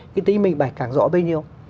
cái tính mình bạch càng rõ bây nhiêu